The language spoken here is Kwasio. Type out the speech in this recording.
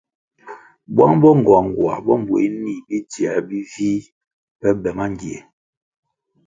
Bwang bo ngoangoa bo mbweh nih bidzioe bivih pe be mangie.